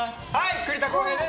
栗田航兵です。